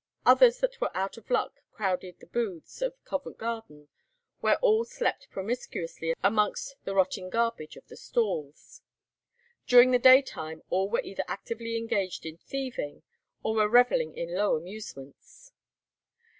Others that were out of luck crowded the booths of Covent Garden, where all slept promiscuously amongst the rotting garbage of the stalls. During the daytime all were either actively engaged in thieving, or were revelling in low amusements.